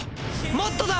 もっとだ！